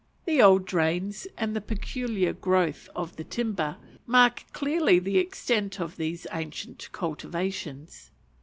The old drains, and the peculiar growth of the timber, mark clearly the extent of these ancient cultivations.